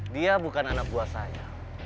dia bukan anak buah saya